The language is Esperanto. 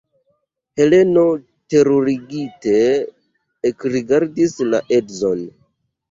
Heleno terurigite ekrigardis la edzon.